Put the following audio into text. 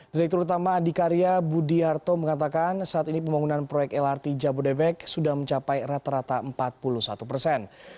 direktur utama adhikarya budi harto mengatakan saat ini pembangunan proyek lrt jabodebek sudah mencapai rata rata empat puluh satu persen